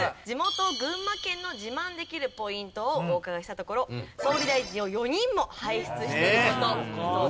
地元群馬県の自慢できるポイントをお伺いしたところ総理大臣を４人も輩出していると。